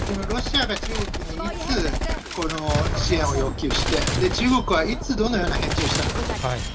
ロシアが中国に、いつ、この支援を要求して、中国はいつ、どのような返事をしたのかと。